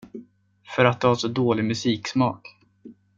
För att du har så dålig musiksmak.